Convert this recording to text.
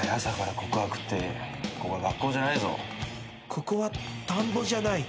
ここは田んぼじゃない。